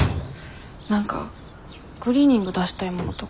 何かクリーニング出したいものとかない？